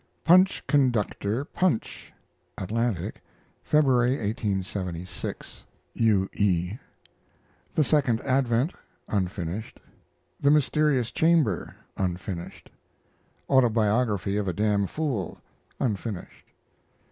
PUNCH, CONDUCTOR, PUNCH Atlantic, February, 1876. U. E. THE SECOND ADVENT (unfinished). THE MYSTERIOUS CHAMBER (unfinished). AUTOBIOGRAPHY OF A DAMN FOOL (unfinished).